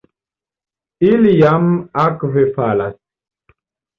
Ili jam akve falas.